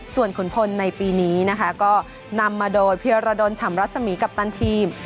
ส่วนขุนพลในปีนี้นะคะก็นำมาโดยเพียรดลฉ่ำรัศมีกัปตันทีม